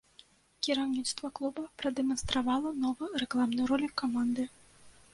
Кіраўніцтва клуба прадэманстравала новы рэкламны ролік каманды.